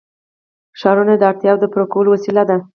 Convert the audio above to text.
ښارونه د اړتیاوو د پوره کولو وسیله ده.